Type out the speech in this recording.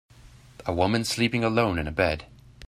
A woman sleeping alone in a bed.